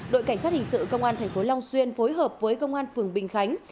đội cảnh sát hình sự công an thành phố long xuyên phối hợp với công an phường bình khánh